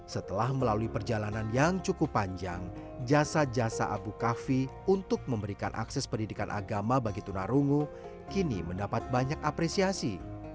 setelah melalui perjalanan yang cukup panjang jasa jasa abu kafi untuk memberikan akses pendidikan agama bagi tunarungu kini mendapat banyak apresiasi